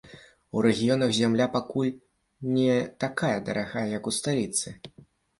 У рэгіёнах зямля пакуль не такая дарагая, як у сталіцы.